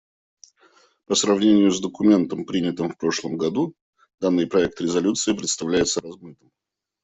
По сравнению с документом, принятым в прошлом году, данный проект резолюции представляется размытым.